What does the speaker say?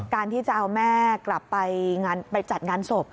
การที่จะเอาแม่กลับไปจัดงานศพ